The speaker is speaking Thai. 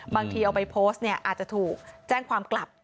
บางทีเอาไปโพสต์เนี่ยอาจจะถูกแจ้งความกลับ